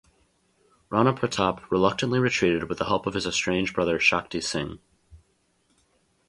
Rana Pratap reluctantly retreated with the help of his estranged brother Shakti Singh.